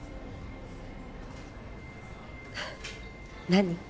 何？